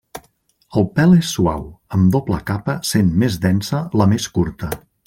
El pèl és suau, amb doble capa sent més densa la més curta.